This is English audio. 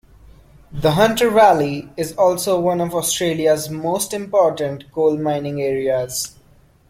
The Hunter Valley is also one of Australia's most important coal mining areas.